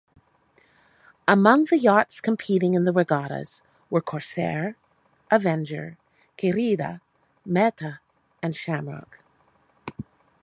Among the yachts competing in the regattas were 'Corsair', 'Avenger', 'Querida', 'Meta' and 'Shamrock'.